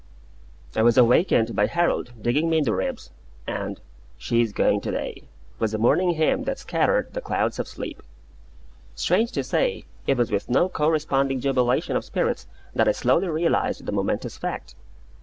I was awakened by Harold digging me in the ribs, and "She's going to day!" was the morning hymn that scattered the clouds of sleep. Strange to say, it was with no corresponding jubilation of spirits that I slowly realised the momentous fact.